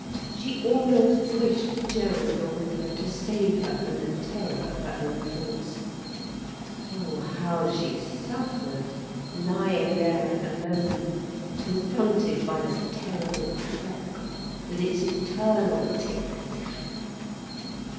She almost wished Gerald were with her to save her from the terror of her own thoughts. Oh, how she suffered, lying there alone, confronted by the terrible clock, with its eternal tick tack.